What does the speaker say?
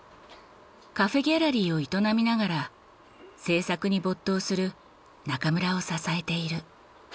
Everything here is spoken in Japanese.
カフェギャラリーを営みながら制作に没頭する中村を支えている。